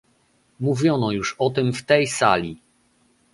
Mówiono już o tym w tej sali